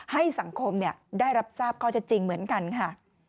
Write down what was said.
ให้สังคมได้รับทราบข้อเท็จจริงเหมือนกันค่ะ